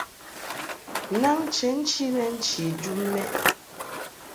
Naŋ chenchi lɛ nchi jum mɛʼ.